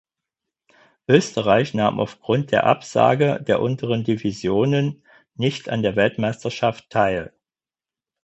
Österreich nahm aufgrund der Absage der unteren Divisionen nicht an der Weltmeisterschaft teil.